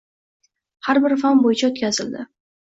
Har bir fan bo‘yicha o‘tkazildi